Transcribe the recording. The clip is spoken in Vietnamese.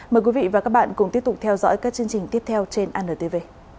mời quý vị và các bạn cùng tiếp tục theo dõi các chương trình tiếp theo trên antv